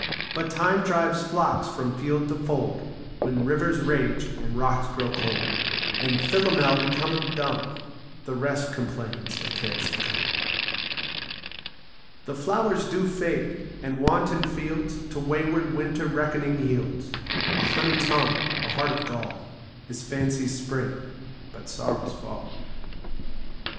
But Time drives flocks from field to fold, When rivers rage and rocks grow cold ; And Philomel becometh dumb ; The rest complains of cares to come. The flowers do fade ; and wanton fields To wayward winter reckoning yields : A honey tongue, a heart of gall, Is fancy's spring, but sorrow's fall.